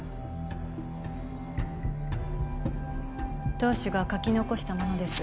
当主が書き残したものです